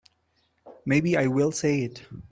Maybe I will say it.